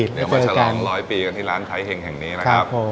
เดี๋ยวมาฉลองร้อยปีกันที่ร้านไทยเห็งแห่งนี้นะครับ